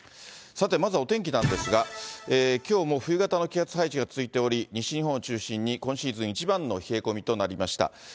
さて、まずはお天気なんですが、きょうも冬型の気圧配置が続いており、西日本を中心に今シーズン一番の冷え込みとなりました。